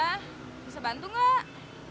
bisa bantu gak